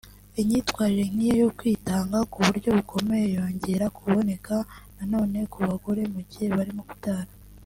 Inyitwarire nk’iyo yo kwitanga ku buryo bukomeye yongera kuboneka na none ku bagore mu gihe barimo kubyara